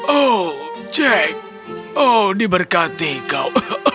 oh jack oh diberkati kau